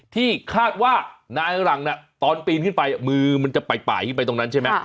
ที่คาดว่าหน้าหลังน่ะตอนปีนขึ้นไปมือจะป่ายคือไปตรงนั้นใช่ไหม